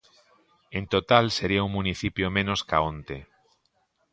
En total sería un municipio menos ca onte.